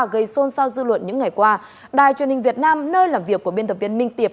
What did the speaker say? gây xôn xao dư luận những ngày qua đài truyền hình việt nam nơi làm việc của biên tập viên minh tiệ